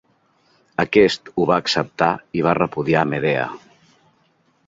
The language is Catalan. Aquest ho va acceptar i va repudiar Medea.